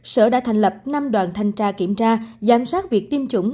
sở đã thành lập năm đoàn thanh tra kiểm tra giám sát việc tiêm chủng